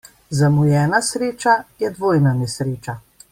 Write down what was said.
Zamujena sreča je dvojna nesreča.